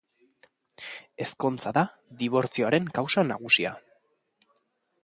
Ezkontza da dibortzioaren kausa nagusia.